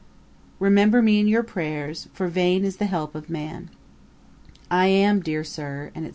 'Remember me in your prayers, for vain is the help of man. 'I am, dear Sir, &c.